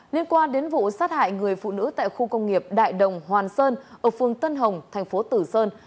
liên quan đến vụ sát hại người phụ nữ tại khu công nghiệp đại đồng hoàn sơn ở phương tân hồng thành phố tử sơn